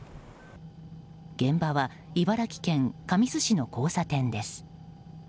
現場は茨城県神栖市の交差点です。